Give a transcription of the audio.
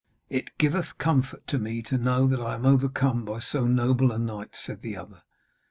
'It giveth comfort to me to know that I am overcome by so noble a knight,' said the other.